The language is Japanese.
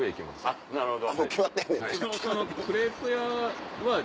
あなるほど。